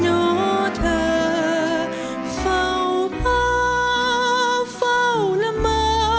โอ้เธอเฝ้าพระเฝ้าละมะ